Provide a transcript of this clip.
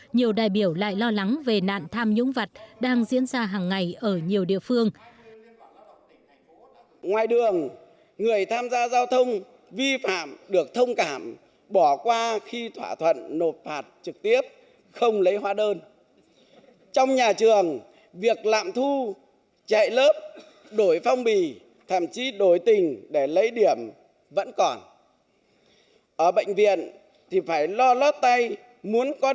nhiều đại biểu lại lo lắng về nạn tham nhũng vật đang diễn ra hàng ngày ở nhiều địa phương